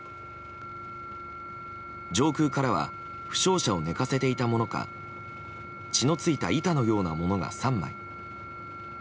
上空からは負傷者を寝かせていたものか血の付いた板のようなものが３枚。